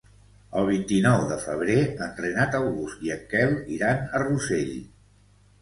El vint-i-nou de febrer en Renat August i en Quel iran a Rossell.